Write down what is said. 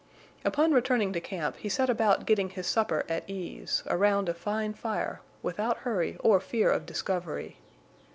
Upon returning to camp he set about getting his supper at ease, around a fine fire, without hurry or fear of discovery.